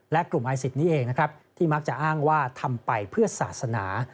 และกลุ่มไอศีทนี้เองที่มักจะอ้างว่าทำไปเพื่อศาสนา